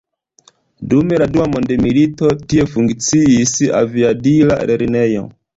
Dum la dua mondmilito, tie funkciis aviadila lernejo.